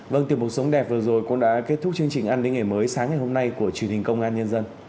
vâng tiểu mục sống đẹp vừa rồi cũng đã kết thúc chương trình an ninh ngày mới sáng ngày hôm nay của truyền hình công an nhân dân